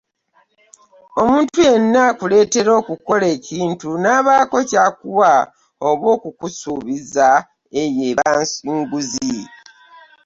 omuntu yenna akuleetera okukola ekintu n'abaako ky'akuwa oba okukusuubiza eyo eba nguzi.